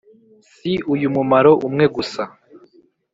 si uyu mumaro umwe musa